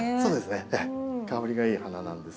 香りがいい花なんですけども。